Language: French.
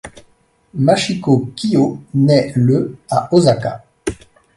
Machiko Kyō nait le à Osaka.